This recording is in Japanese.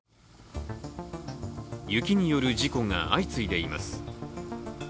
雪による事故が相次いでいます。